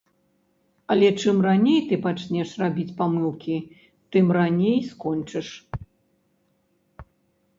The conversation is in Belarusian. Але чым раней ты пачнеш рабіць памылкі, тым раней скончыш.